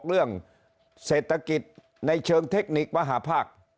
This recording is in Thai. เรื่องเศรษฐกิจในเชิงเทคนิคมหาภาค